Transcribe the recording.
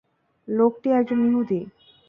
লোকটি একজন ইহুদী।